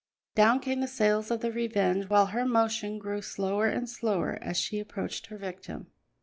Down came the sails of the Revenge, while her motion grew slower and slower as she approached her victim.